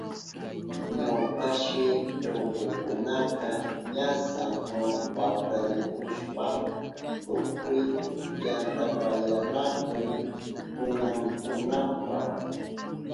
Ñawpashi rukukunaka ña San Juan paktarihushpan tukuy yantapayanahun kununankunapa.